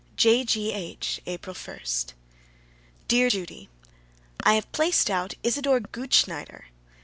J. G. H., April 1. Dear Judy: I have placed out Isador Gutschneider.